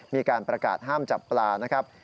มีการประกาศห้ามจับปลานะครับ